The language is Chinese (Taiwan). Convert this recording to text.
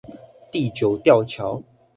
地久吊橋